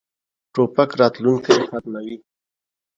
توپک راتلونکی ختموي.